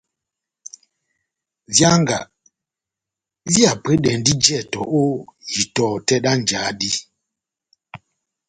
Výanga vihapwedɛndi jɛtɔ ó itɔhɔ tɛ́h dá njáhá dí.